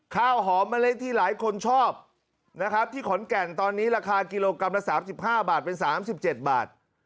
ข้าวหอมเมล็ดที่หลายคนชอบนะครับที่ขอนแก่นตอนนี้ราคากิโลกรัมละ๓๕บาทเป็น๓๗บาท